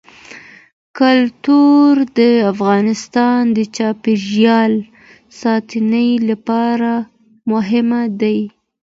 کلتور د افغانستان د چاپیریال ساتنې لپاره مهم دي.